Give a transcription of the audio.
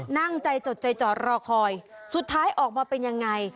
นั่งใจจดใจจอดรอคอยสุดท้ายออกมาเป็นยังไง